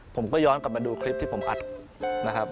ผมก็ย้อนกลับมาดูคลิปที่ผมอัดนะครับ